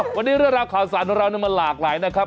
วันนี้เรื่องราวข่าวสารของเรามันหลากหลายนะครับ